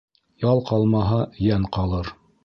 Ял ҡалмаһа, йән ҡалыр.